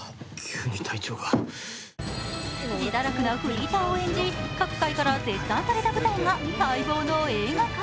自堕落なフリーターを演じ各界から絶賛された舞台が、待望の映画化。